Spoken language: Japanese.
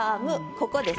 ここです。